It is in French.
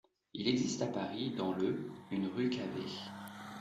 Il existe à Paris dans le une rue Cavé.